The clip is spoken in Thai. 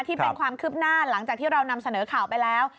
ที่เป็นความคืบหน้าหลังจากที่เรานำเสนอข่าวไปแล้ว